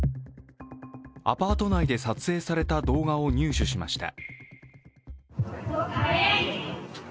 アパート内で撮影された動画を入手しました。